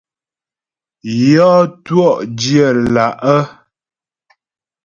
Yɔ́ twɔ̂'dyə̌ lá'.